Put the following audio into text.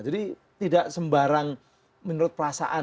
jadi tidak sembarang menurut perasaan